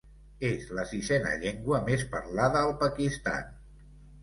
És la sisena llengua més parlada al Pakistan.